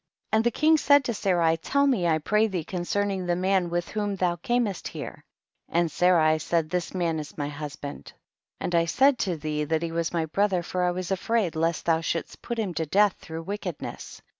27. And the king said to Sarai, tell me I pray thee concerning the man with whom thou camest here ; and Sarai said this man is my hus band, and I said to thee that he was my brother for I was afraid, lest thou shouldst put him to death through wickedness.